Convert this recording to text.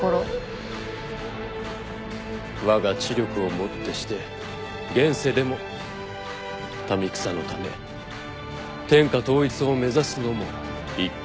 わが知力をもってして現世でも民草のため天下統一を目指すのも一興かと。